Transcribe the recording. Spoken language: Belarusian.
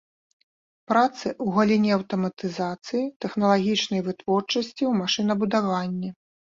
Працы ў галіне аўтаматызацыі тэхналагічнай вытворчасці ў машынабудаванні.